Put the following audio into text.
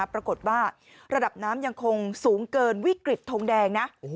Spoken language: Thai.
ปรากฏว่าระดับน้ำยังคงสูงเกินวิกฤตทงแดงนะ